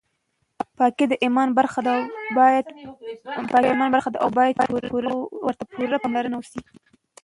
پاکي د ایمان برخه ده او باید ورته پوره پاملرنه وشي.